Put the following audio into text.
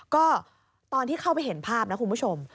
ก็ตอนที่เข้าไปเห็นภาพนะคุณผู้ชม